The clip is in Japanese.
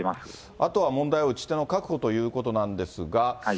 あとは問題は打ち手の確保ということなんですが。